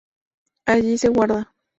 Allí se guarda.